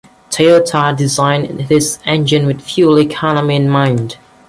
Toyota designed this engine with fuel economy in mind.